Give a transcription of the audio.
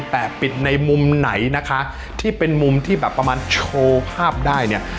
แต่ปิดในมุมไหนนะคะที่เป็นมุมที่แบบประมาณโชว์ภาพได้เนี่ย